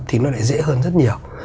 thì nó lại dễ hơn rất nhiều